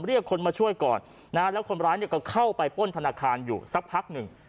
เรียกคนมาช่วยก่อนนะฮะแล้วคนร้ายเนี่ยก็เข้าไปป้นธนาคารอยู่สักพักหนึ่ง